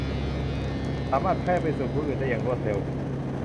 สามารถแพร่ไปสู่ผู้อื่นได้อย่างรวดเร็ว